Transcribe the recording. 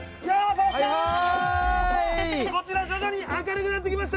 こちら徐々に明るくなってきました。